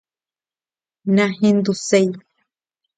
¡Nahenduséi!